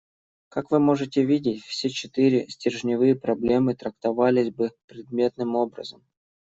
Как вы можете видеть, все четыре стержневые проблемы трактовались бы предметным образом.